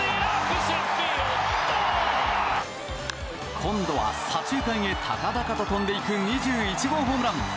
今度は左中間へ高々と飛んでいく２１号ホームラン。